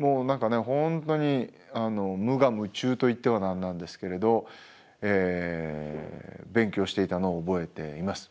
本当に無我夢中と言っては何なんですけれど勉強していたのを覚えています。